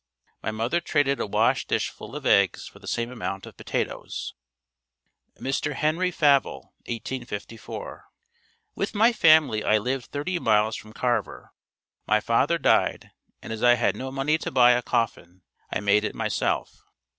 My mother traded a wash dish full of eggs for the same amount of potatoes. Mr. Henry Favel 1854. With my family I lived thirty miles from Carver. My father died and as I had no money to buy a coffin, I made it myself.